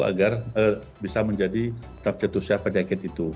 agar bisa menjadi tetap cetusnya penyakit itu